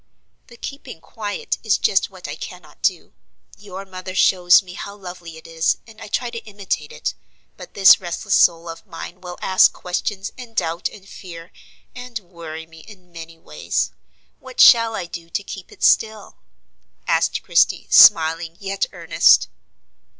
"The keeping quiet is just what I cannot do. Your mother shows me how lovely it is, and I try to imitate it; but this restless soul of mine will ask questions and doubt and fear, and worry me in many ways. What shall I do to keep it still?" asked Christie, smiling, yet earnest.